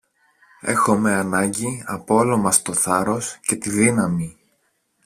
Έχομε ανάγκη από όλο μας το θάρρος και τη δύναμη.